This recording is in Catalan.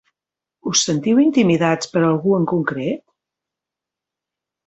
Us sentiu intimidats per algú en concret?